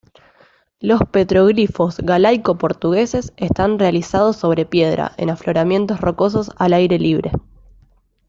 Los petroglifos galaico-portugueses están realizados sobre piedra, en afloramientos rocosos al aire libre.